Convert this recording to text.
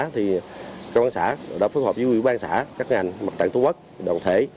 thì công an xã đã phối hợp với ủy ban xã các ngành mặt trạng tổ quốc đồng thể